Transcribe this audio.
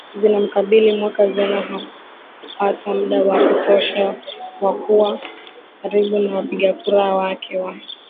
zinamkabili mwaka jana hakupata muda wa kutosha wa kuwa karibu na wapigakura wake wa